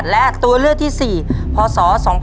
และตัวเลือกที่๔พศ๒๕๖